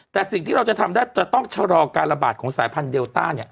แต่สิ่งที่เราจะทำได้จะต้องชะลอการระบาดของสายพันธุเดลต้า